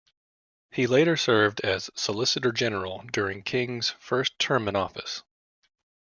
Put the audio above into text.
He later served as Solicitor General during King's first term in office.